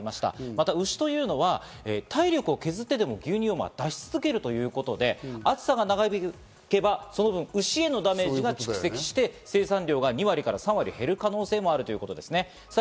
また牛というのは、体力を削ってでも牛乳を出し続けるということで、暑さが長引けば、その分、牛へのダメージが蓄積されて、生産量は２割から３割減る可能性があるということですね。